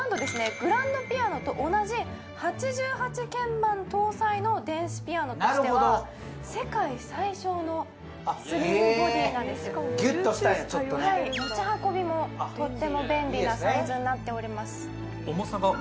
グランドピアノと同じ８８鍵盤搭載の電子ピアノとしては世界最小のスリムボディーなんですギュッとしたんや持ち運びもとっても便利なサイズになっております